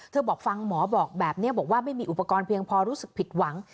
บอกฟังหมอบอกแบบนี้บอกว่าไม่มีอุปกรณ์เพียงพอรู้สึกผิดหวัง